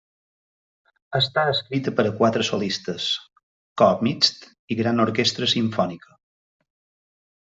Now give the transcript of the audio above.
Està escrita per a quatre solistes, cor mixt i gran orquestra simfònica.